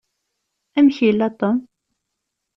Amek yella Tom?